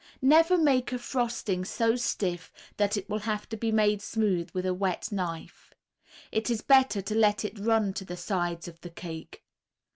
Never make a frosting so stiff that it will have to be made smooth with a wet knife. It is better to let it run to the sides of the cake.